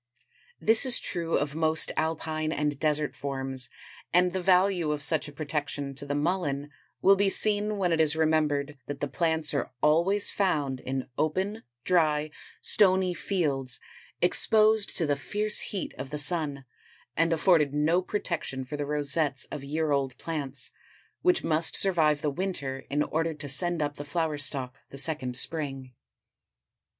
This is true of most alpine and desert forms and the value of such a protection to the Mullen will be seen when it is remembered that the plants are always found in open, dry, stony fields exposed to the fierce heat of the sun, and afforded no protection for the rosettes of year old plants which must survive the winter in order to send up the flower stalk the second spring.